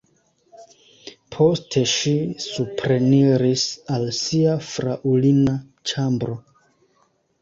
Poste ŝi supreniris al sia fraŭlina ĉambro.